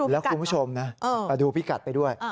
แล้วคุณผู้ชมนะมาดูพี่กัดไปด้วย